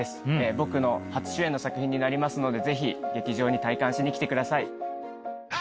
僕の初主演の作品になりますのでぜひ劇場に体感しに来てください。